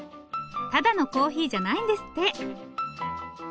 ただのコーヒーじゃないんですって。